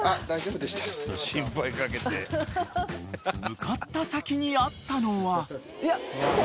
［向かった先にあったのは］